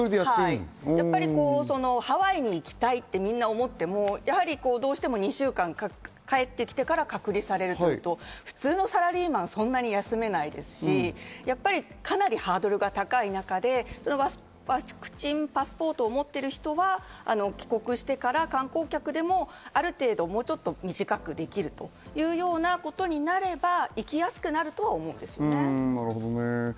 やっぱりハワイに行きたいってみんな思っても帰ってきてから２週間隔離されるとなると、普通のサラリーマンは、そんなに休めないですし、やっぱりかなりハードルが高い中でワクチンパスポート思っている人は帰国してから観光客でもある程度、短くできるということになれば行きやすくなるとは思うんですね。